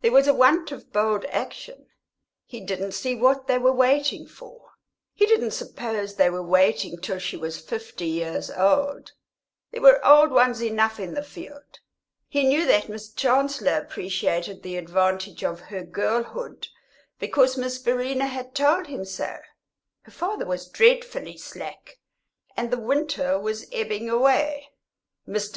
There was a want of bold action; he didn't see what they were waiting for. He didn't suppose they were waiting till she was fifty years old; there were old ones enough in the field. He knew that Miss Chancellor appreciated the advantage of her girlhood, because Miss Verena had told him so. Her father was dreadfully slack, and the winter was ebbing away. Mr.